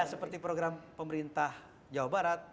ya seperti program pemerintah jawa barat